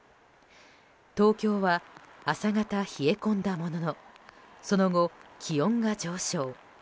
東京は朝方、冷え込んだもののその後、気温が上昇。